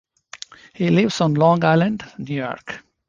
He lives on Long Island, New York.